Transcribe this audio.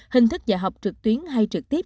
hình thức dạy học trực tuyến hay trực tuyến